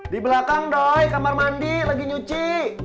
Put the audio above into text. di belakang doy kamar mandi lagi nyuci